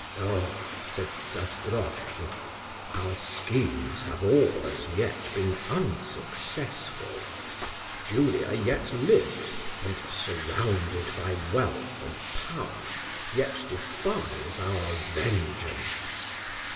"Oh!" said Zastrozzi, "our schemes have all, as yet, been unsuccessful. Julia yet lives, and, surrounded by wealth and power, yet defies our vengeance.